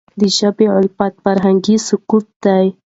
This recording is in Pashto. د ژبي غفلت فرهنګي سقوط دی.